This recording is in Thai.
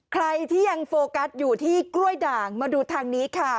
ใครที่ยังโฟกัสอยู่ที่กล้วยด่างมาดูทางนี้ค่ะ